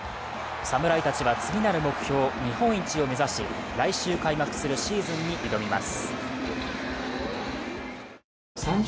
侍たちは次なる目標、日本一を目指し、来週開幕するシーズンに挑みます。